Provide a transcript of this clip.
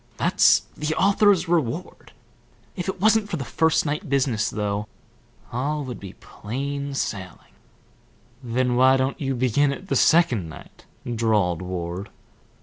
That's the author's reward. If it wasn't for the first night business, though, all would be plain sailing." "Then why don't you begin it the second night?" drawled Ward.